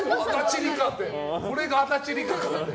これが足立梨花かって。